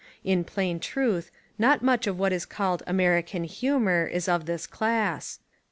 In plain truth not much of what is called American humour is of this class.